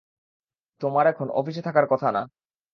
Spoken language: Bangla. তোমার এখন অফিসে থাকার কথা না?